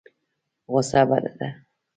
غوسه بده ده.